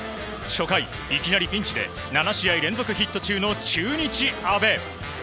初回、いきなりピンチで７試合連続ヒット中の中日、阿部。